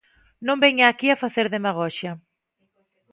Non veña aquí a facer demagoxia.